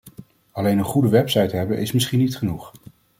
Alleen een goede website hebben is misschien niet genoeg.